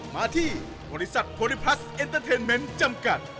มาที่บริษัทโพลิพลัสเอ็นเตอร์เทนเมนต์จำกัด